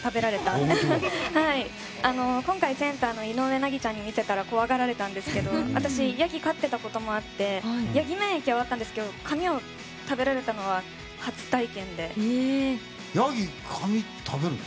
今回、センターの井上和ちゃんに見せたら怖がられたんですけど私、ヤギ飼ってたこともあってヤギ免疫はあったんですけど髪を食べられたのはヤギ、髪食べるの？